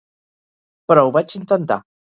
Però ho vaig intentar.